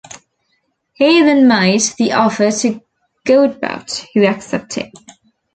He then made the offer to Godbout, who accepted.